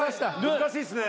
難しいっすね。